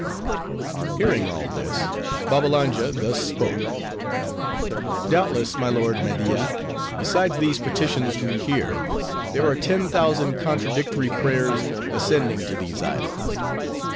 Hearing all this, Babbalanja thus spoke:—"Doubtless, my lord Media, besides these petitions we hear, there are ten thousand contradictory prayers ascending to these idols.